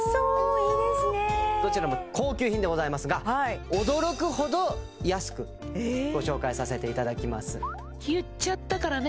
いいですねどちらも高級品でございますが驚くほど安くご紹介させていただきます